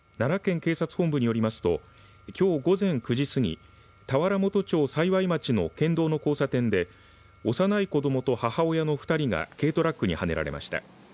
警察本部によりますときょう午前９時すぎ田原本町幸町の県道の交差点で幼い子どもと母親の２人が軽トラックにはねられました。